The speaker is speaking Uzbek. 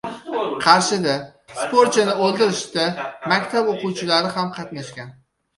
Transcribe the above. Qarshida sportchini o‘ldirishda maktab o‘quvchilari ham qatnashgan